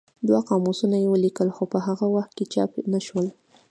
دوه قاموسونه یې ولیکل خو په هغه وخت کې چاپ نه شول.